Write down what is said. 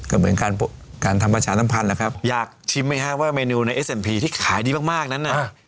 ก็เหมือนการทำประชาสัมพันธ์แหละครับอยากชิมไหมฮะว่าเมนูในเอสเอ็มพีที่ขายดีมากนั้นน่ะ